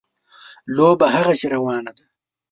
لوبه هغسې روانه ده.